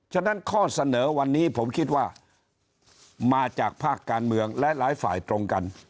ฉะนั้นข้อเสนอวันนี้ผมคิดว่ามาจากภาคการเมืองและหลายฝ่ายตรงกัน